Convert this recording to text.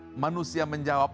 minta manusia menjawab